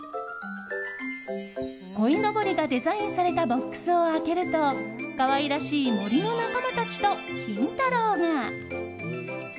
鯉のぼりがデザインされたボックスを開けると可愛らしい森の仲間たちと金太郎が。